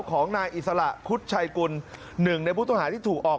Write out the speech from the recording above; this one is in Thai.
ของนายอิสระคุดชัยกุล๑ในพุทธหาที่ถูกออก